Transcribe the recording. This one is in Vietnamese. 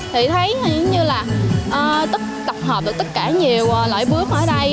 thì thấy như là tập hợp được tất cả nhiều loài bướm ở đây